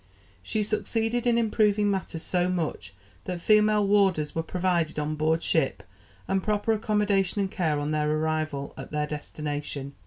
She succeeded in improving matters so much that female warders were provided on board ship, and proper accommodation and care on their arrival at their destination.